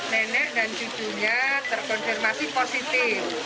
nenek dan cucunya terkonfirmasi positif